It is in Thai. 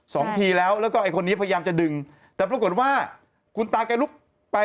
ทีแล้วแล้วก็ไอ้คนนี้พยายามจะดึงแต่ปรากฏว่าคุณตาแกลุกไป